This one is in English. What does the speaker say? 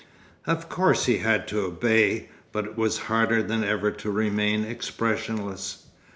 Of course he had to obey; but it was harder than ever to remain expressionless.